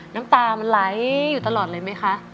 น้ำตามันไหลอยู่ตลอดเลยไหมคะ